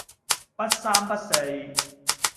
不三不四